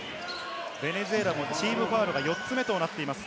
ベネズエラもチームファウルが４つ目となっています。